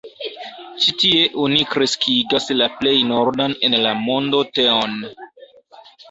Ĉi tie oni kreskigas la plej nordan en la mondo teon.